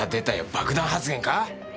爆弾発言か？